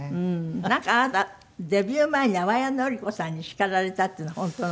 なんかあなたデビュー前に淡谷のり子さんに叱られたっていうのは本当なの？